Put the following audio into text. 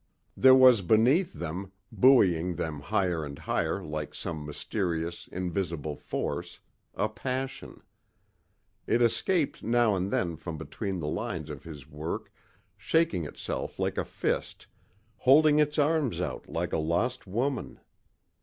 There was beneath them, buoying them higher and higher like some mysterious, invisible force, a passion. It escaped now and then from between the lines of his work, shaking itself like a fist, holding its arms out like a lost woman.